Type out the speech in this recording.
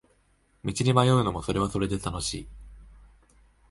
道に迷うのもそれはそれで楽しい